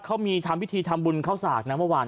เขามีทำพิธีทำบุญเข้าสากนะเมื่อวาน